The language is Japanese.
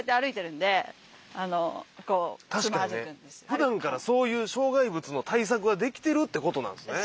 ふだんからそういう障害物の対策はできてるってことなんですね。